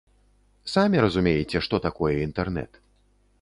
Самі разумееце, што такое інтэрнэт.